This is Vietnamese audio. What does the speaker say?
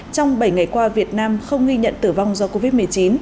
trong bảy ngày qua việt nam không ghi nhận tử vong do covid một mươi chín